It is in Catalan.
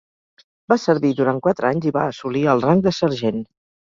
Va servir durant quatre anys i va assolir el rang de sergent.